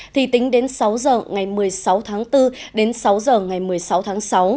thì tính đến sáu giờ ngày một mươi sáu tháng bốn đến sáu h ngày một mươi sáu tháng sáu